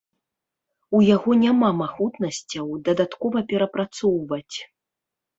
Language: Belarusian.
У яго няма магутнасцяў дадаткова перапрацоўваць.